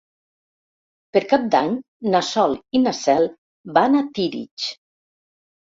Per Cap d'Any na Sol i na Cel van a Tírig.